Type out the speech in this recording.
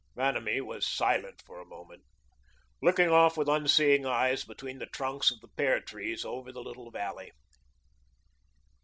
Vanamee was silent for a moment, looking off with unseeing eyes between the trunks of the pear trees, over the little valley.